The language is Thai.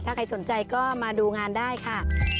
ถ้าใครสนใจก็มาดูงานได้ค่ะ